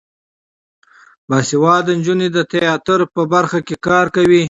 باسواده نجونې د تیاتر په برخه کې کار کوي.